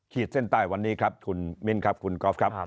เส้นใต้วันนี้ครับคุณมิ้นครับคุณกอล์ฟครับ